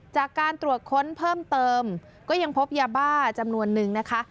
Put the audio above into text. จากการตรวจค้นเพิ่มเติมก็ยังพบยาบ้าจำนวนนึงนะคะ